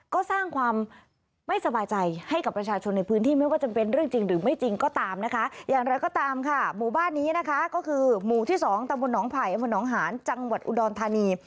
ก็คือหมู่ที่๒ตะวันหนองไผ่หมู่ที่๒ตะวันหนองหาญจังหวัดอุดอนธานี